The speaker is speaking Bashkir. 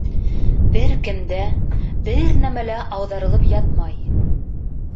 Бер кем дә, бер нәмә лә ауҙарылып ятмай.